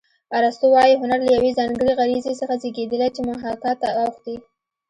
ارستو وايي هنر له یوې ځانګړې غریزې څخه زېږېدلی چې محاکات ته اوښتې